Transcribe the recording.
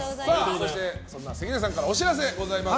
そして、関根さんからお知らせがあります。